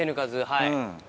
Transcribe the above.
はい。